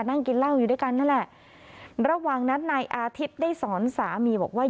นั่งกินเหล้าอยู่ด้วยกันนั่นแหละระหว่างนั้นนายอาทิตย์ได้สอนสามีบอกว่า